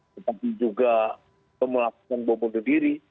tetapi juga pemelakuan bombo bombo diri